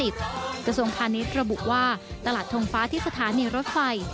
กระทรวงพาณิชย์ระบุว่าตลาดทงฟ้าที่สถานีรถไฟ